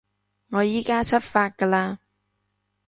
我依加出發㗎喇